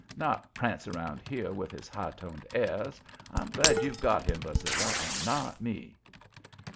Not prance around here with his high toned airs. I'm glad you've got him, Barzilla, and not me."